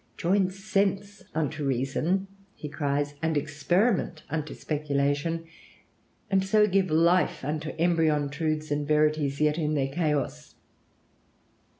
"Join sense unto reason," he cries, "and experiment unto speculation, and so give life unto embryon truths and verities yet in their chaos....